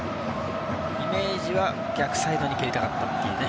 イメージは逆サイドに蹴りたかった。